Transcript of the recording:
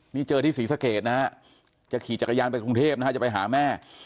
นี่เจอที่ศรีสะเกดนะฮะจะขี่จักรยานไปกรุงเทพนะฮะจะไปหาแม่